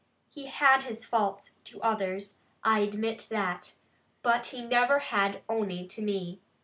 He had his faults to others, I admit that, but he never had ony to me.